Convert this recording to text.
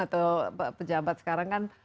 atau pejabat sekarang kan